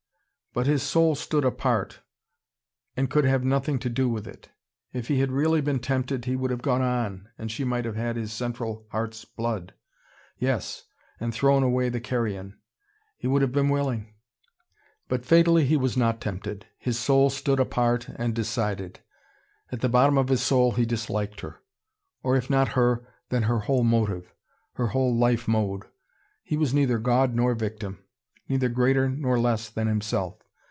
But his soul stood apart, and could have nothing to do with it. If he had really been tempted, he would have gone on, and she might have had his central heart's blood. Yes, and thrown away the carrion. He would have been willing. But fatally, he was not tempted. His soul stood apart and decided. At the bottom of his soul he disliked her. Or if not her, then her whole motive. Her whole life mode. He was neither God nor victim: neither greater nor less than himself.